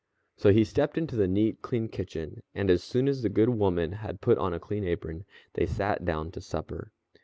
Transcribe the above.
So he stepped into the neat, clean kitchen, and as soon as the good woman had put on a clean apron, they sat down to supper.